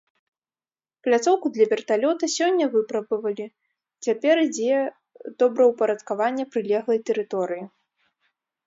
Пляцоўку для верталёта сёння выпрабавалі, цяпер ідзе добраўпарадкаванне прылеглай тэрыторыі.